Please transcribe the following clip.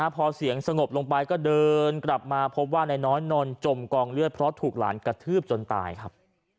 พอเสียงสงบลงไปก็เดินกลับมาพบว่านายน้อยนอนจมกองเลือดเพราะถูกหลานกระทืบจนตายครับ